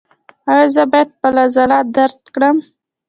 ایا زه باید خپل عضلات درد کړم؟